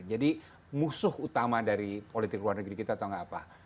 jadi musuh utama dari politik luar negeri kita tau nggak apa